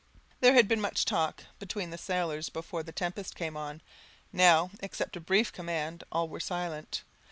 There had been much talk between the sailors before the tempest came on; now, except a brief command, all were silent.